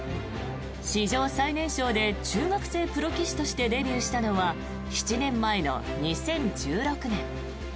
史上最年少で中学生プロ棋士としてデビューしたのは７年前の２０１６年。